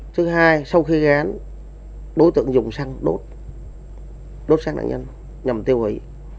thứ hai sau khi gán đối tượng dùng xăng đốt xăng nạn nhân nhằm tiêu hủy